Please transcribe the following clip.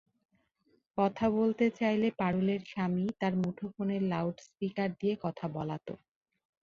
কথা বলতে চাইলে পারুলের স্বামী তাঁর মুঠোফোনের লাউড স্পিকার দিয়ে কথা বলাত।